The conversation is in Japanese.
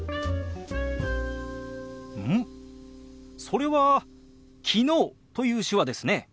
それは「昨日」という手話ですね。